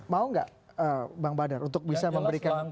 mau nggak bang badar untuk bisa memberikan frame yang